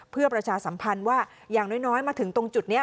เพื่อประชาสัมพันธ์ว่าอย่างน้อยมาถึงตรงจุดนี้